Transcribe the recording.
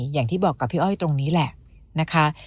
คำคำที่บอกกับพี่อ้อยตรงนี้แหละ